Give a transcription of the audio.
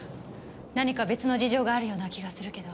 何か別の事情があるような気がするけど。